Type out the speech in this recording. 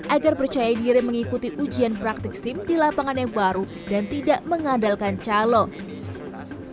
agar percaya diri mengikuti ujian praktik sim di lapangan yang baru dan tidak mengandalkan calon